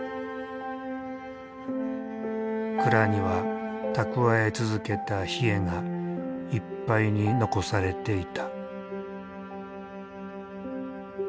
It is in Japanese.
蔵には蓄え続けたヒエがいっぱいに残されていた。